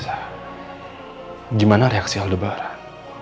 bagaimana reaksi aldebaran